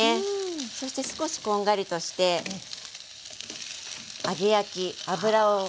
そして少しこんがりとして揚げ焼き油を。